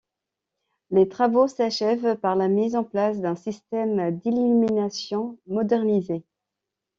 Les travaux s'achèvent par la mise en place d'un système d'illuminations modernisé.